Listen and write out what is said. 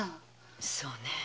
そうねえ